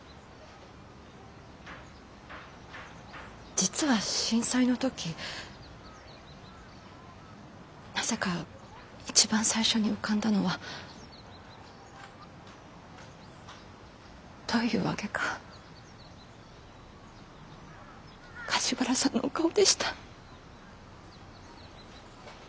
実は震災の時なぜか一番最初に浮かんだのはどういう訳か梶原さんのお顔でした。